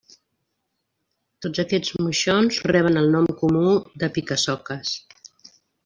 Tots aquests moixons reben el nom comú de pica-soques.